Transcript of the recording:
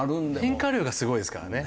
変化量がすごいですからね。